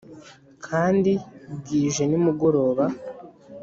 kandi bwije nimugoroba